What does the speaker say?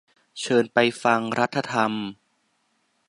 เชิญไปฟัง รัฐธรรม